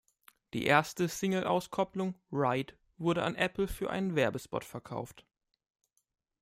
Die erste Singleauskopplung "Ride" wurde an Apple für einen Werbespot verkauft.